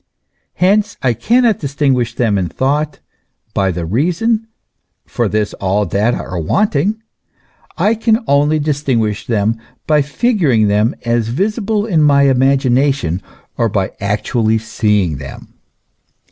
Hence I cannot distinguish them in thought, by the Reason, for this all data are wanting ; I can only distinguish them by figuring them as visible in my imagination or by actually seeing them.